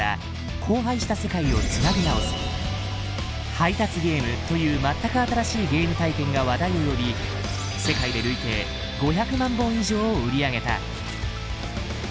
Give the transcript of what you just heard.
「配達ゲーム」という全く新しいゲーム体験が話題を呼び世界で累計５００万本以上を売り上げた。